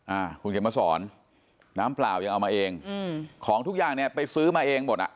อ่าคุณเขียนมาสอนน้ำเปล่ายังเอามาเองอืมของทุกอย่างเนี้ยไปซื้อมาเองหมดอ่ะ